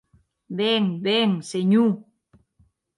Ben, ben, senhor!